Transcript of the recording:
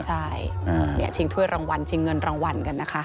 ใช่ชิงถ้วยรางวัลชิงเงินรางวัลกันนะคะ